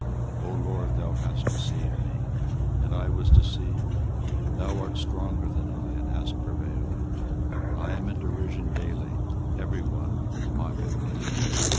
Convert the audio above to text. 24:020:007 O LORD, thou hast deceived me, and I was deceived; thou art stronger than I, and hast prevailed: I am in derision daily, every one mocketh me.